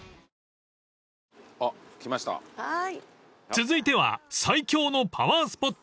［続いては最強のパワースポット